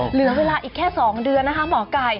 เหลือเวลาอีกแค่๒เดือนนะคะหมอไก่